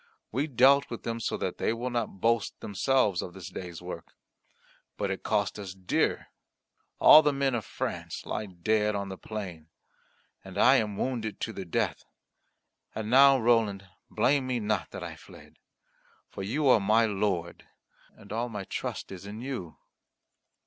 We dealt with them so that they will not boast themselves of this day's work. But it cost us dear; all the men of France lie dead on the plain, and I am wounded to the death. And now, Roland, blame me not that I fled; for you are my lord, and all my trust is in you."